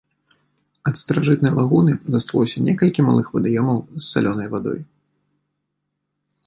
Ад старажытнай лагуны засталося некалькі малых вадаёмаў з салёнай вадой.